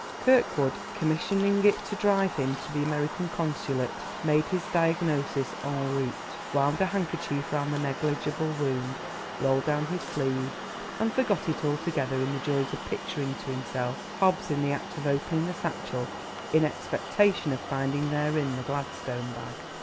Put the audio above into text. Kirkwood, commissioning it to drive him to the American Consulate, made his diagnosis en route; wound a handkerchief round the negligible wound, rolled down his sleeve, and forgot it altogether in the joys of picturing to himself Hobbs in the act of opening the satchel in expectation of finding therein the gladstone bag.